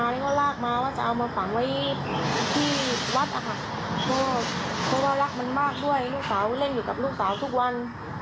ลูกสาวเล่นอยู่กับลูกสาวทุกวัน